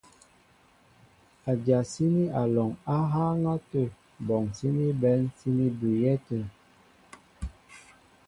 Adyasíní alɔŋ á hááŋ átə bɔŋ síní bɛ̌n síní bʉʉyɛ́ tə̂.